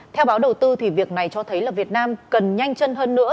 theo báo đầu tư thì việc này cho thấy là việt nam cần nhanh chân hơn nữa